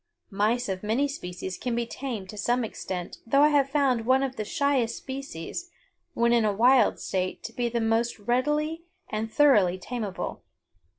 Mice of many species can be tamed to some extent though I have found one of the shyest species when in a wild state to be the most readily and thoroughly tamable.